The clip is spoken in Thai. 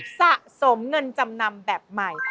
สะสมเงินจำนำแบบใหม่